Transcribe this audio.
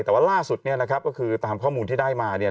แต่ว่าล่าสุดก็คือตามข้อมูลที่ได้มา